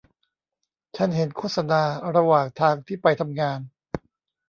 ฉันเห็นโฆษณาระหว่างทางที่ไปทำงาน